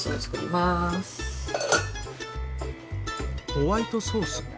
ホワイトソース？